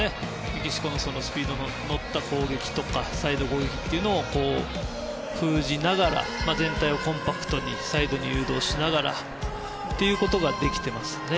メキシコのスピードに乗った攻撃やサイド攻撃を封じながら全体をコンパクトにサイドに誘導することができていますね。